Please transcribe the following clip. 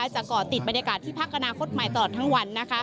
ก่อติดบรรยากาศที่พักอนาคตใหม่ตลอดทั้งวัน